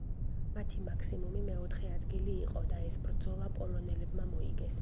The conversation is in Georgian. მათი მაქსიმუმი მეოთხე ადგილი იყო და ეს ბრძოლა პოლონელებმა მოიგეს.